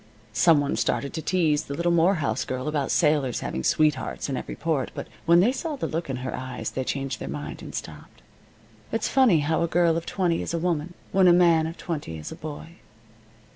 Some one started to tease the little Morehouse girl about sailors having sweethearts in every port, but when they saw the look in her eyes they changed their mind, and stopped. It's funny how a girl of twenty is a woman, when a man of twenty is a boy.